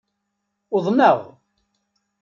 Uḍneɣ!